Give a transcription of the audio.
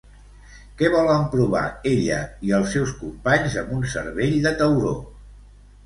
Què volen provar ella i els seus companys amb un cervell de tauró?